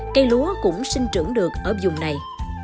cây lúa cũng sinh trưởng được ở dùng này